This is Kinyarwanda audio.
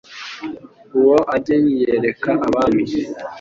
Uwo ajye yiyereka abami